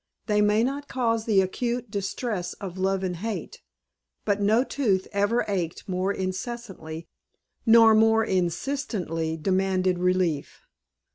They may not cause the acute distress of love and hate, but no tooth ever ached more incessantly nor more insistently demanded relief.